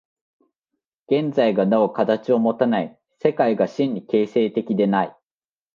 現在がなお形をもたない、世界が真に形成的でない。